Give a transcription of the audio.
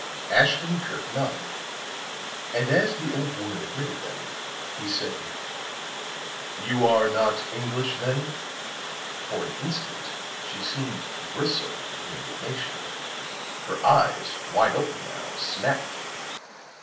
Ashton Kirk nodded; and as the old woman admitted them, he said: "You are not English, then?" For an instant she seemed to bristle with indignation; her eyes, wide open now, snapped.